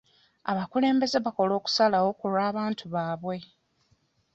Abakulembeze bakola okusalawo ku lw'abantu baabwe.